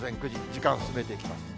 時間進めていきます。